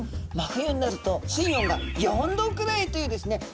真冬になると水温が４℃くらいというですね